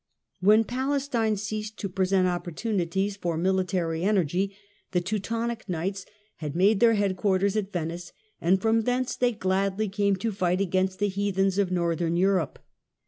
When Palestine ceased to present opportunities for THE SHORES OF THE BALTIC 229 military energy, the Teutonic Knights had made their head quarters at Venice, and from thence they gladly came to fight against the heathens of Northern Europe.